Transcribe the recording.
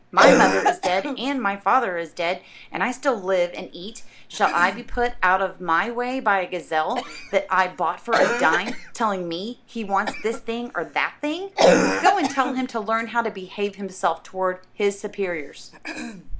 My mother is dead, and my father is dead, and I still live and eat; shall I be put out of my way by a gazelle, that I bought for a dime, telling me he wants this thing or that thing? Go and tell him to learn how to behave himself toward his superiors."